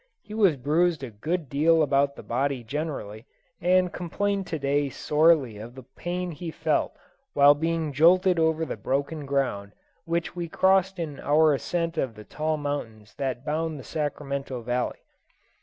He was bruised a good deal about the body generally, and complained to day sorely of the pain he felt while being jolted over the broken ground which we crossed in our ascent of the tall mountains that bound the Sacramento Valley.